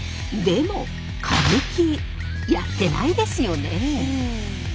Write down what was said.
でも歌舞伎やってないですよね。